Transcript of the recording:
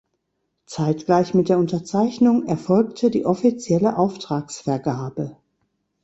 Zeitgleich mit der Unterzeichnung erfolgte die offizielle Auftragsvergabe.